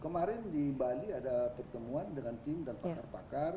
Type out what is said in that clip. kemarin di bali ada pertemuan dengan tim dan pakar pakar